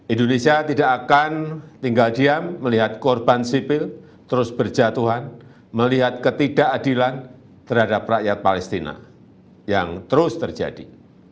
indonesia tidak akan tinggal diam melihat korban sipil terus berjatuhan melihat ketidakadilan terhadap rakyat palestina yang terus terjadi